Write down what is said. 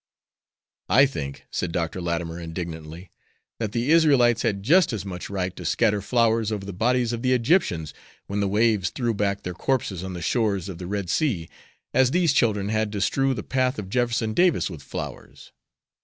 "I think," said Dr. Latimer, indignantly, "that the Israelites had just as much right to scatter flowers over the bodies of the Egyptians, when the waves threw back their corpses on the shores of the Red Sea, as these children had to strew the path of Jefferson Davis with flowers.